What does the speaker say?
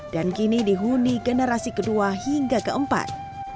dan kini dihuni generasi kedua hingga keempat